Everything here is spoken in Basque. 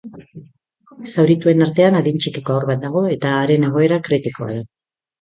Zaurituen artean adin txikiko haur bat dago, eta haren egoera kritikoa da.